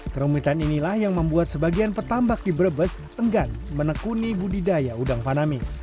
kerumitan inilah yang membuat sebagian petambak di brebes enggan menekuni budidaya udang fanami